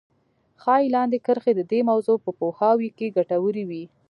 ښايي لاندې کرښې د دې موضوع په پوهاوي کې ګټورې وي.